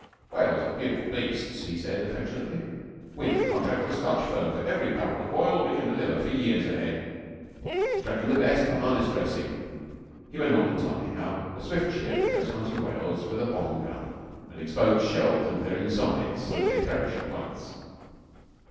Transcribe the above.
'Whales are beautiful beasts,' he said affectionately. 'We've a contract with a Scotch firm for every barrel of oil we can deliver for years ahead. It's reckoned the best for harness dressing.' He went on to tell me how a swift ship goes hunting whales with a bomb gun and explodes shells into their insides so that they perish at once.